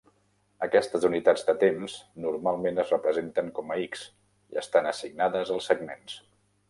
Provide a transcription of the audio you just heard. Aquestes unitats de temps normalment es representen com a X, i estan assignades als segments.